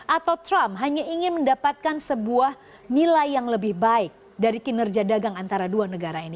atau trump hanya ingin mendapatkan sebuah nilai yang lebih baik dari kinerja dagang antara dua negara ini